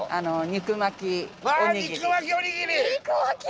肉巻き！